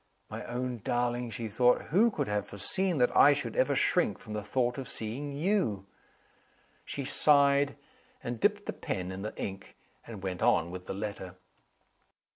"My own darling!" she thought, "who could have foreseen that I should ever shrink from the thought of seeing you?" She sighed, and dipped the pen in the ink, and went on with the letter.